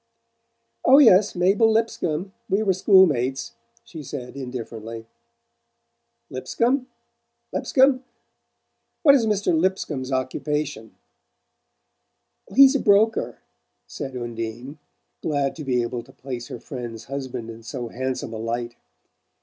"Oh, yes Mabel Lipscomb. We were school mates," she said indifferently. "Lipscomb? Lipscomb? What is Mr. Lipscomb's occupation?" "He's a broker," said Undine, glad to be able to place her friend's husband in so handsome a light.